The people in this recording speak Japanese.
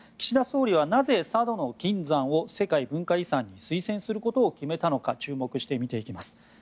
岸田総理はなぜ佐渡島の金山を世界文化遺産に推薦することを決めたのか注目して見ていきます。